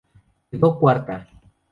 Quedó cuarta.